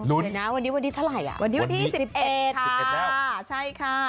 ลุ้นวันนี้เท่าไหร่อ่ะวันนี้วันนี้วันนี้ที่๑๑ค่ะ